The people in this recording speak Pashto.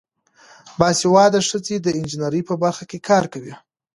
باسواده ښځې د انجینرۍ په برخه کې کار کوي.